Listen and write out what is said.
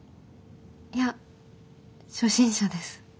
いや初心者です。